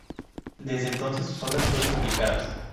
Desde entonces sus obras fueron publicadas.